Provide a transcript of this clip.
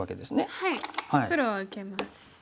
はい黒は受けます。